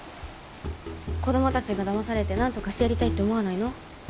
子供たちがだまされてなんとかしてやりたいって思わないの？